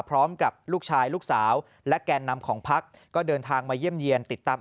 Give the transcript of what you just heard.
พร้อมกับลูกชายลูกสาวและแก่นำของพักก็เดินทางมาเยี่ยมเยี่ยนติดตาม